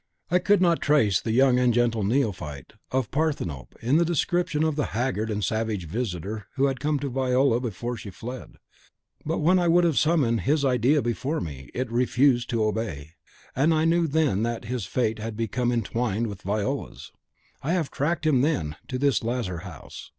I could not trace the young and gentle neophyte of Parthenope in the description of the haggard and savage visitor who had come to Viola before she fled; but when I would have summoned his IDEA before me, it refused to obey; and I knew then that his fate had become entwined with Viola's. I have tracked him, then, to this Lazar House.